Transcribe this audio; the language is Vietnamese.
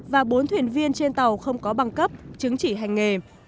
và bốn thuyền viên trên tàu không có băng cấp chứng chỉ hành nghề